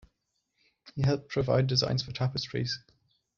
He helped provide designs for tapestries.